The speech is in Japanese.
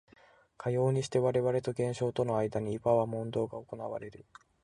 かようにして我々と現象との間にいわば問答が行われる。